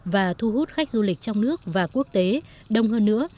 và thu hút khách du lịch trong nước và quốc tế đông hơn nữa